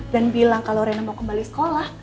dan bilang kalau rena mau kembali sekolah